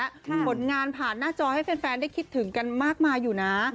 ผลงานผ่านหน้าจอให้แฟนได้คิดถึงกันมากมายอยู่นะ